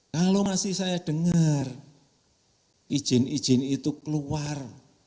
kalau masih saya dengar izin izin itu keluar